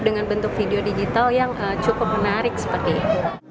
dengan bentuk video digital yang cukup menarik seperti ini